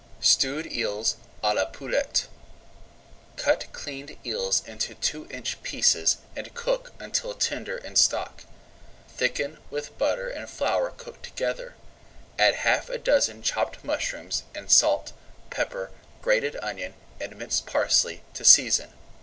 STEWED EELS À LA POULETTE Cut cleaned eels into two inch pieces and cook until tender in stock. Thicken with butter and flour cooked together, add half a dozen chopped mushrooms, and salt, pepper, grated onion, and minced parsley to season.